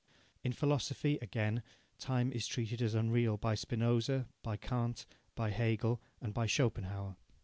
In philosophy, again, time is treated as unreal by Spinoza, by Kant, by Hegel, and by Schopenhauer.